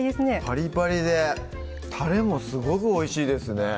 パリパリでたれもすごくおいしいですね